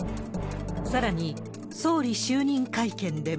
さらに、総理就任会見でも。